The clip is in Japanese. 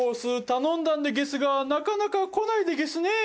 頼んだんでゲスがなかなか来ないでゲスね。